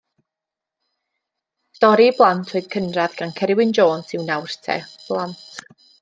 Stori i blant oed cynradd gan Ceri Wyn Jones yw Nawr Te, Blant.